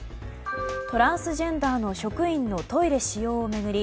トランスジェンダーの職員のトイレ使用を巡り